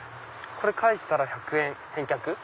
これ返したら１００円返却？